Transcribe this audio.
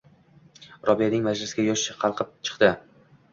Robiyaning mijjasiga yosh qalqib chiqdi.